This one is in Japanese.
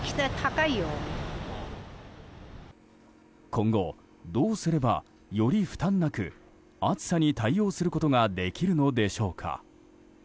今後、どうすればより負担なく暑さに対応することができるのでしょうか。